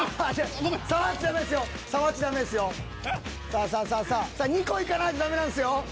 さあ２個いかないとダメなんですよ。